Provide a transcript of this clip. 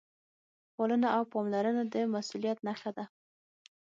پالنه او پاملرنه د مسؤلیت نښه ده.